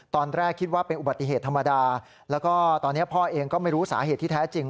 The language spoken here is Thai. ตอนแรกคิดว่าเป็นอุบัติเหตุธรรมดาแล้วก็ตอนนี้พ่อเองก็ไม่รู้สาเหตุที่แท้จริง